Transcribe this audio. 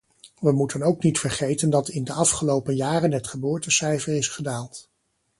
We moeten ook niet vergeten dat in de afgelopen jaren het geboortecijfer is gedaald.